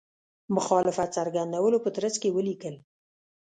مخالفت څرګندولو په ترڅ کې ولیکل.